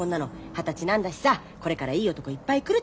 二十歳なんだしさこれからいい男いっぱい来るって。